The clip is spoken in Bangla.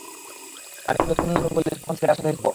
মানিকম, যতক্ষণ না আমি বলি ততক্ষণ ছেলেটার সাথেই থাকো।